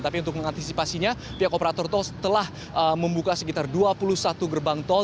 tapi untuk mengantisipasinya pihak operator tol telah membuka sekitar dua puluh satu gerbang tol